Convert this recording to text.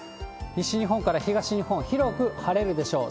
西日本から東日本、広く晴れるでしょう。